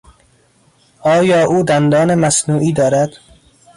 آیا او دندان مصنوعی دارد؟